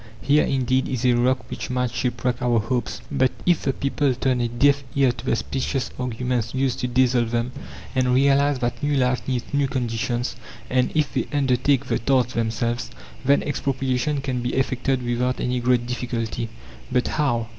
Here, indeed, is a rock which might shipwreck our hopes. But if the people turn a deaf ear to the specious arguments used to dazzle them, and realize that new life needs new conditions, and if they undertake the task themselves, then expropriation can be effected without any great difficulty. "But how?